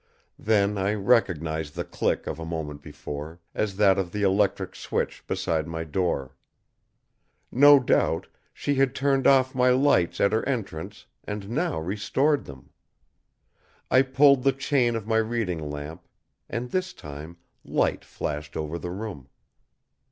Then I recognized the click of a moment before, as that of the electric switch beside my door. No doubt she had turned off my lights at her entrance and now restored them. I pulled the chain of my reading lamp, and this time light flashed over the room.